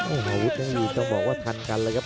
โอ้โหอาวุธนั้นนี่ต้องบอกว่าทันกันเลยครับ